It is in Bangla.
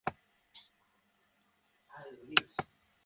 ভূপাতিত সহকর্মীকে কাতরাতে দেখে রেফারি ছুটে এসে লাল কার্ড দেখান সাগালকে।